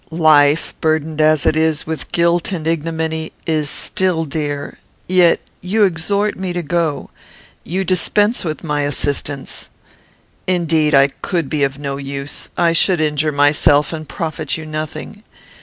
"Life, burdened as it is with guilt and ignominy, is still dear yet you exhort me to go; you dispense with my assistance. Indeed, I could be of no use; I should injure myself and profit you nothing.